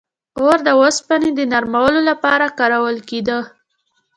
• اور د اوسپنې د نرمولو لپاره کارول کېده.